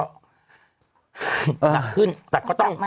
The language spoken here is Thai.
หนักขึ้นแต่ก็ต้อง